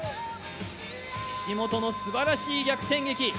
岸本のすばらしい逆転劇。